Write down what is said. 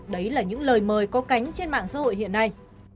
đấy là những lời mời có cánh trên mạng xã hội hiện nay